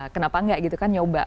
kenapa enggak gitu kan nyoba